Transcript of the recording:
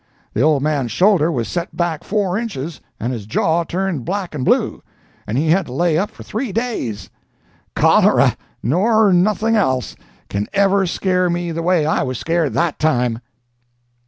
The old man's shoulder was set back four inches, and his jaw turned black and blue, and he had to lay up for three days. Cholera, nor nothing else, can ever scare me the way I was scared that time."